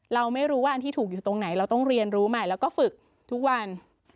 เราไม่รู้ว่าอันที่ถูกอยู่ตรงไหนเราต้องเรียนรู้ใหม่แล้วก็ฝึกทุกวัน